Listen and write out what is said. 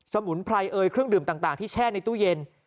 มุนไพรเอยเครื่องดื่มต่างที่แช่ในตู้เย็น